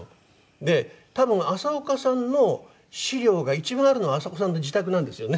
で多分浅丘さんの資料が一番あるのは浅丘さんの自宅なんですよね。